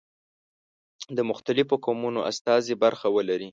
د مختلفو قومونو استازي برخه ولري.